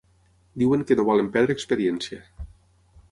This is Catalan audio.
Diuen que no volen perdre experiència.